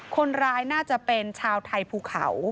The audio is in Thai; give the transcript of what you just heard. คนร้ายน่าจะเป็นชาวไทยภูเขา